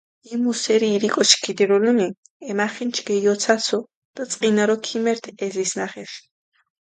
იმუ სერი ირი კოჩქჷ ქიდირულუნი, ე მახინჯქჷ გეიოცაცუ დი წყინარო ქიმერთ ე ზისჷნახეშა.